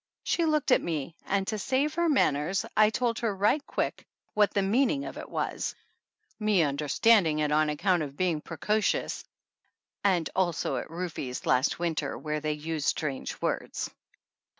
She looked at me and to save her manners I told her right quick what the meaning of it was, me under standing it on account of being precocious and also at Rufe's last winter, where they use strange words.